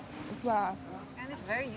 dan saya suka berbagi